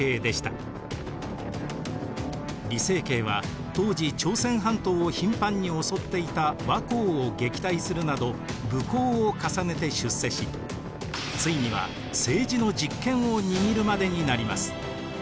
李成桂は当時朝鮮半島を頻繁に襲っていた倭寇を撃退するなど武功を重ねて出世しついには政治の実権を握るまでになります。